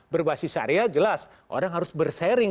berbasis syariah jelas orang harus bersharing